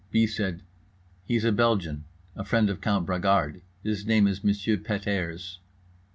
B. said "He's a Belgian, a friend of Count Bragard, his name is Monsieur Pet airs."